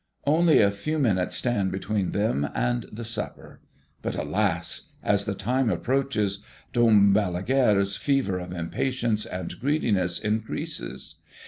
Only a few minutes stand between them and the supper. But alas! as the time approaches, Dom Balaguère's fever of impatience and greediness increases.